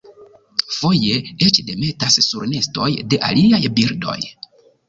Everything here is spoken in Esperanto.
Foje eĉ demetas sur nestoj de aliaj birdoj.